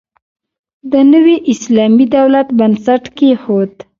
د نوي اسلامي دولت بنسټ کېښود.